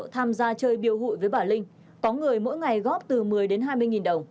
tham gia chơi biêu hụi với bà linh có người mỗi ngày góp từ một mươi đến hai mươi nghìn đồng